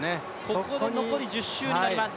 ここで残り１０周になります。